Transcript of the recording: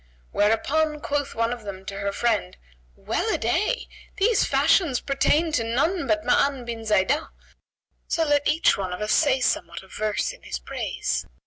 Whereupon quoth one of them to her friend, "Well a day! These fashions pertain to none but Ma'an bin Zaidah! so let each one of us say somewhat of verse in his praise."